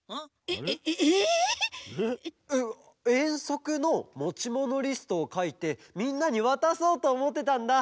えっえんそくのもちものリストをかいてみんなにわたそうとおもってたんだ。